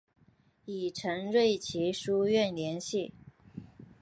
与陈瑞祺书院联系。